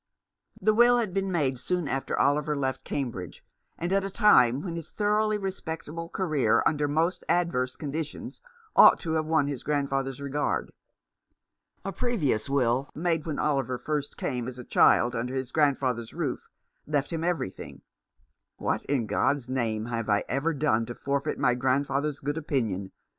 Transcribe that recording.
The will had been made soon after Oliver left Cambridge, and at a time when his thoroughly respectable career under most adverse conditions ought to have won his grandfather's regard. A previous will, made when Oliver first came as a child under his grandfather's roof, left him every thing. "What, in God's name, have I ever done to forfeit my grandfather's good opinion